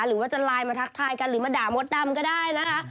หรือว่าจะไลน์มาทักทายกันหรือมาด่ามดดำก็ได้นะคะ